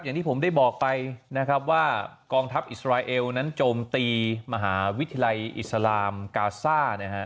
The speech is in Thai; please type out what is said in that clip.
อย่างที่ผมได้บอกไปนะครับว่ากองทัพอิสราเอลนั้นโจมตีมหาวิทยาลัยอิสลามกาซ่านะฮะ